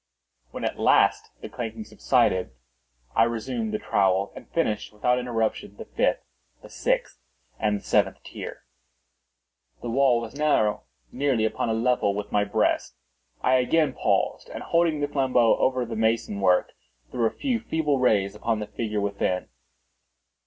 When at last the clanking subsided, I resumed the trowel, and finished without interruption the fifth, the sixth, and the seventh tier. The wall was now nearly upon a level with my breast. I again paused, and holding the flambeaux over the mason work, threw a few feeble rays upon the figure within.